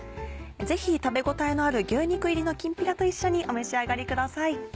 ぜひ食べ応えのある牛肉入りのきんぴらと一緒にお召し上がりください。